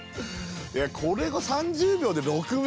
いやこれが３０秒で６面？